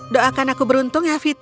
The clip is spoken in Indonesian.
doakan aku beruntung ya vita